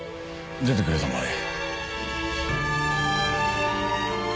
出てくれたまえ。